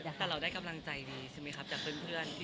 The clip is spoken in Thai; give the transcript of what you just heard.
แต่เราได้กำลังใจดีใช่ไหมครับจากเพื่อน